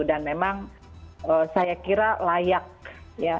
memang saya kira layak ya